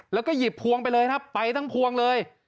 แล้วก็หยิบพวงไปเลยครับไปทั้งพวงเลย